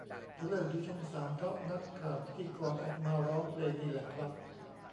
จะเลิกดูช่องสามเพราะนักข่าวพิธีกรออกมาร้องเพลงนี่แหละครับ